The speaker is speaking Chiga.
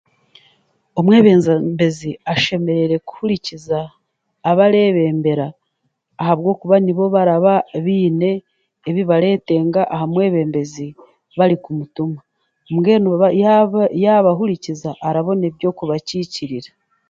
Omwebembezi ashemereire kuhurikiza abarikwebembera ahabwokuba nibo baraba baine ebi bareetenga aha mwebembezi barikumutuma mbwenu yaabahurikiza arabona eby'okubakikirira